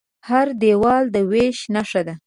هر دیوال د وېش نښه ده.